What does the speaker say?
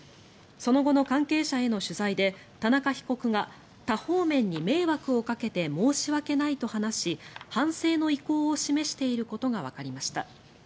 その後の関係者への取材で田中被告が多方面に迷惑をかけて申し訳ないと話し反省の意向を示していることがわかりました。